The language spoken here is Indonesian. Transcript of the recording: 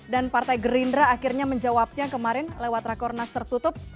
dan partai gerindra akhirnya menjawabnya kemarin lewat rakornas tertutup